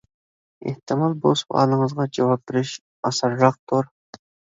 ئېھتىمال بۇ سوئالىڭىزغا جاۋاب بېرىش ئاسانراقتۇر.